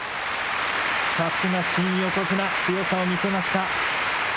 さすが新横綱、強さを見せました。